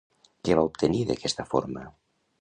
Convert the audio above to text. Què va obtenir d'aquesta forma?